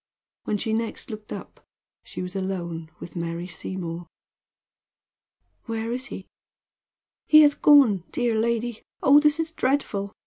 When she next looked up she was alone with Mary Seymour. "Where is he?" "He has gone, dear lady. Oh, this is dreadful!